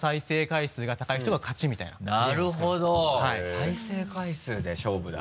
再生回数で勝負だ。